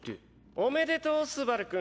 おめでとう昴君！